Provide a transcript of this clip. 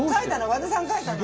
和田さんが描いたの。